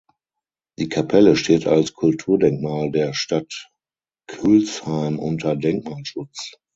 Die Kapelle steht als Kulturdenkmal der Stadt Külsheim unter Denkmalschutz.